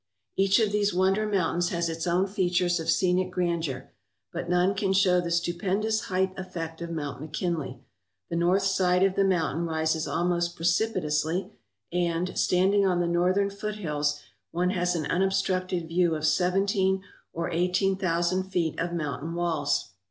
Each of these wonder mountains has its own features of scenic grandeur, but none can show the stupendous height effect of Mount McKinley. The north side of the mountain rises almost precipitously and, standing on the northern foothills, one has an unobstructed view of sev enteen or eighteen thousand feet of mountain walls.